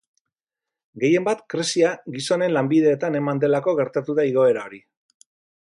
Gehien bat krisia gizonen lanbideetan eman delako gertatu da igoera hori.